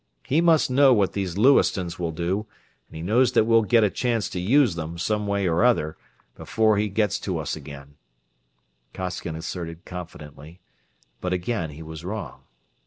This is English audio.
He must know what these Lewistons will do, and he knows that we'll get a chance to use them, some way or other, before he gets to us again," Costigan asserted confidently but again he was wrong.